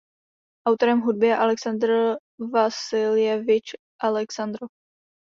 Autorem hudby je Alexandr Vasiljevič Alexandrov.